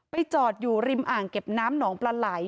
จอดอยู่ริมอ่างเก็บน้ำหนองปลาไหล่